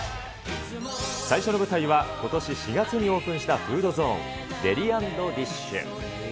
最初の舞台はことし４月にオープンしたフードゾーン、デリ＆ディッシュ。